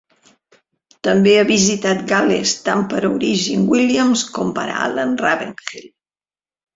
També ha visitat Gal·les tant per a Orig Williams com per a Alan Ravenhill.